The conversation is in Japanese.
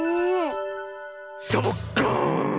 サボッカーン！